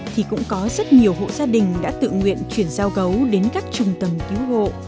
thì cũng có rất nhiều hộ gia đình đã tự nguyện chuyển giao gấu đến các trung tâm cứu hộ